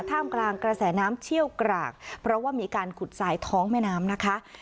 ท่ามกลางกระแสน้ำเชี่ยวกรากเพราะว่ามีการขุดสายท้องแม่น้ำนะคะ